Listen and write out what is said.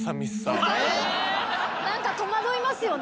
何か戸惑いますよね。